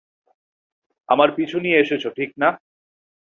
আমার পিছু নিয়ে এসেছ, ঠিক না?